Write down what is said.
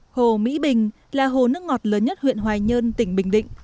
hồ mỹ bình là hồ nước ngọt lớn nhất huyện hoài nhơn tỉnh bình định